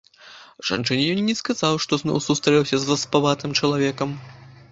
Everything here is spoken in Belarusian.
Жанчыне ён не сказаў, што зноў сустрэўся з васпаватым чалавекам.